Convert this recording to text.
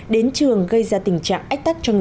đến trường gây ra tình trạng khó khăn